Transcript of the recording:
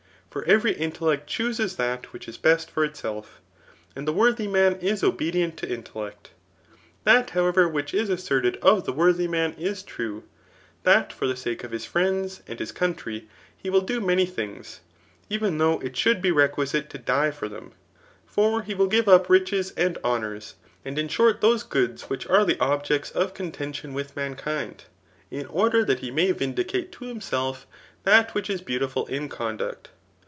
For every intellect chooses that which k best for itself; and the worthy man is obe dient to intellect. That, however, which is asserted of the worthy man is true, that for the sake of his friends and his country, he vnll do many things, even though it ^ould be requisite to die for them ; for he will give up riches and honours, and in short those goods which are the objects of contention with mankind, in order that he may vindicate to himself that which is beautiful in cob duct.